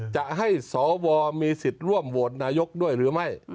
จะให้สวมีสิทธิ์ร่วมโหวตนายกด้วยหรือไม่